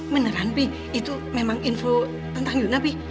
beneran bi itu memang info tentang yuna bi